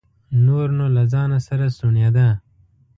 نور نو له ځانه سره سڼېده.